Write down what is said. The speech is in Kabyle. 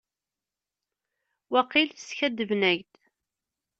Waqil skaddben-ak-d.